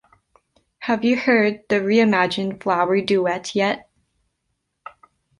Have you heard the re-imagined Flower Duet yet?